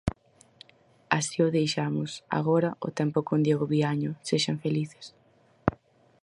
Así o deixamos; agora, o tempo con Diego Viaño; sexan felices.